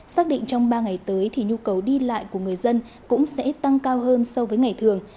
xác định trong ba ngày tới thì nhu cầu đi lại của người dân cũng sẽ tăng cao hơn so với ngày thường